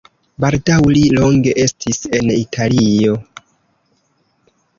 Baldaŭ li longe estis en Italio.